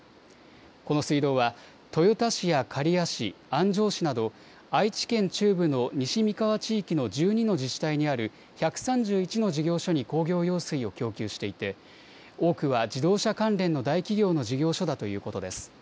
この水道は豊田市や刈谷市、安城市など愛知県中部の西三河地域の１２の自治体にある１３１の事業所に工業用水を供給していて多くは自動車関連の大企業の事業所だということです。